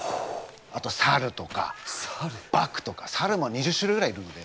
あとサルとかバクとかサルも２０種類ぐらいいるので。